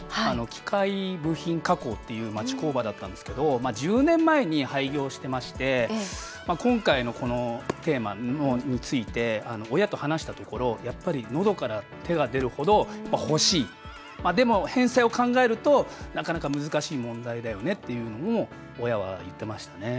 機械部品加工っていう町工場だったんですけど１０年前に廃業してまして今回のこのテーマについて親と話したところやっぱり、のどから手が出るほど欲しい、でも返済を考えるとなかなか難しい問題だよねとも親は言ってましたね。